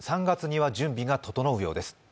３月には準備が整うようです。